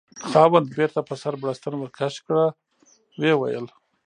خاوند: بیرته په سر بړستن ورکش کړه، ویې ویل: